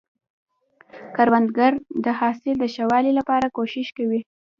کروندګر د حاصل د ښه والي لپاره کوښښ کوي